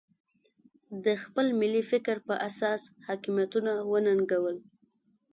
د خپل ملي فکر په اساس حاکمیتونه وننګول.